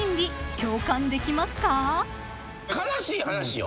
悲しい話よ。